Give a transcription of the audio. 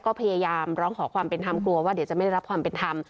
ก็พยายามร้องขอความเป็นธรรมกลัวว่าเดี๋ยวจะไม่ได้รับความเป็นธรรม